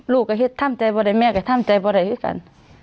ลูกก็เห็นทำใจบ่ได้แม่ก็ทำใจบ่ได้กัน